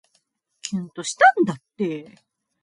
きゅんとしたんだって